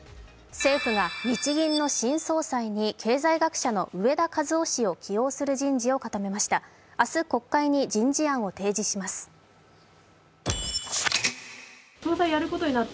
政府が日銀の新総裁に経済学者の植田和男氏を起用する人事を発表しました。